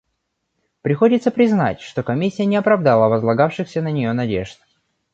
Приходится признать, что Комиссия не оправдала возлагавшихся на нее надежд.